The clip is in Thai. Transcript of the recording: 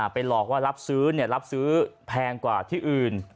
ไปหลอกว่ารับซื้อแพงกว่าที่อื่น